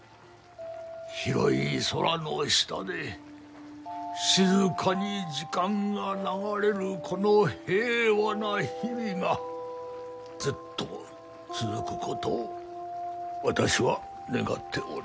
広い空の下で静かに時間が流れるこの平和な日々がずっと続く事を私は願っております。